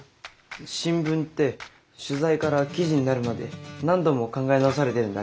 新聞って取材から記事になるまで何度も考え直されてるんだね。